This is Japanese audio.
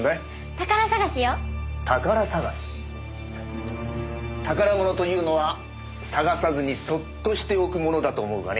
宝物というのは探さずにそっとしておくものだと思うがね。